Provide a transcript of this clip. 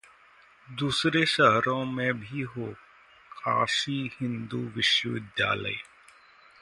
'दूसरे शहरों में भी हो काशी हिन्दू विश्वविद्यालय'